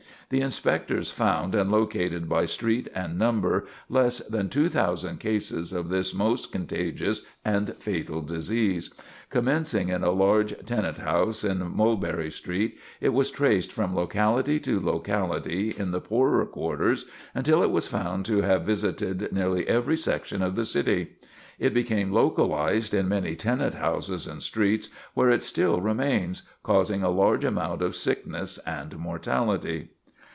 The inspectors found and located by street and number no less than 2,000 cases of this most contagious and fatal disease. Commencing in a large tenant house in Mulberry Street, it was traced from locality to locality, in the poorer quarters, until it was found to have visited nearly every section of the city. It became localized in many tenant houses and streets, where it still remains, causing a large amount of sickness and mortality.